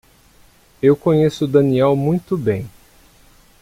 Eu conheço Daniel muito bem.